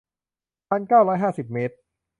พันเก้าร้อยห้าสิบเมตร